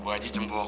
makan aja juga dong